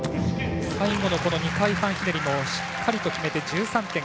最後の２回半ひねりもしっかりと決めて１３．５００。